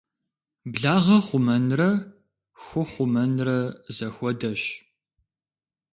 Благъэ хъумэнрэ ху хъумэнрэ зэхуэдэщ.